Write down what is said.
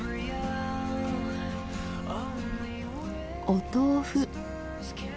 お豆腐。